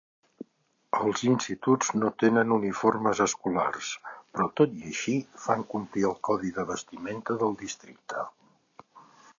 Els instituts no tenen uniformes escolars, però tot i així fan complir el codi de vestimenta del districte.